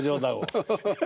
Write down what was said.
アハハハ。